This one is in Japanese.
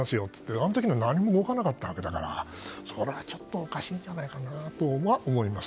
あの時も何も動かなかったわけだからそれはちょっとおかしいんじゃないかと思います。